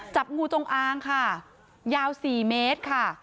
จับงูจงอางค่ะยาว๔เมตรค่ะ